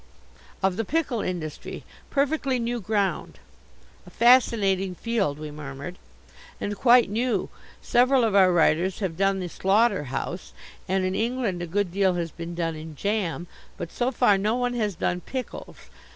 of the pickle industry perfectly new ground." "A fascinating field," we murmured. "And quite new. Several of our writers have done the slaughter house, and in England a good deal has been done in jam. But so far no one has done pickles.